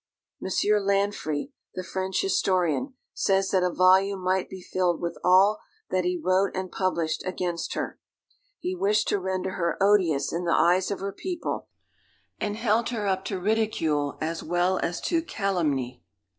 M. Lanfrey, the French historian, says that a volume might be filled with all that he wrote and published against her. He wished to render her odious in the eyes of her people, and held her up to ridicule as well as to calumny.